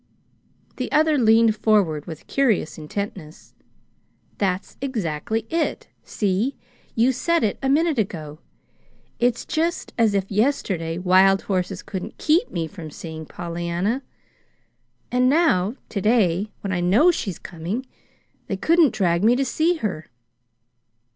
The other leaned forward with curious intentness. "That's exactly it! See? You said it a minute ago. It's just as if yesterday wild horses couldn't keep me from seeing Pollyanna; and now, to day, when I know she's coming they couldn't drag me to see her."